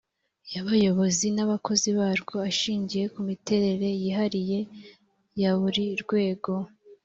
y abayobozi n abakozi barwo ashingiye ku miterere yihariye ya buri rwego